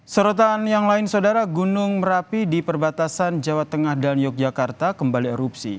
serotan yang lain saudara gunung merapi di perbatasan jawa tengah dan yogyakarta kembali erupsi